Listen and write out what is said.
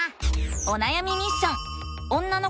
おなやみミッション！